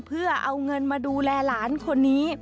เพื่อเอาเงินมาดูแลหลานคนนี้